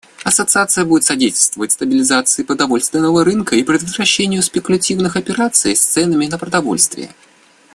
Ассоциация будет содействовать стабилизации продовольственного рынка и предотвращению спекулятивных операций с ценами на продовольствие.